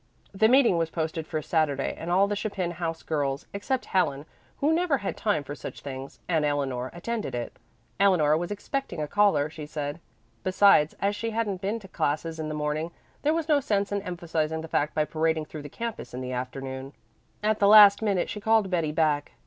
The meeting was posted for Saturday, and all the Chapin house girls, except Helen, who never had time for such things, and Eleanor, attended it. Eleanor was expecting a caller, she said. Besides, as she hadn't been to classes in the morning there was no sense in emphasizing the fact by parading through the campus in the afternoon. At the last minute she called Betty back.